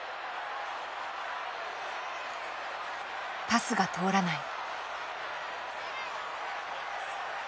パスが通らない。